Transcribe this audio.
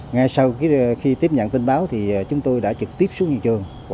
ngay sau khi tiếp nhận tin báo thì chúng tôi đã trực tiếp xuống hiện trường